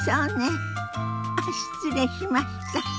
あっ失礼しました。